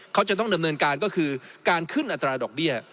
เขาจะต้องดำเนินการก็คือการขึ้นอัตราดอกเบี้ย